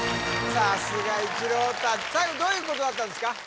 さすが一朗太最後どういうことだったんですか